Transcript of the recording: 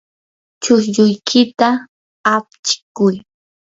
chushchuykita apchikuy.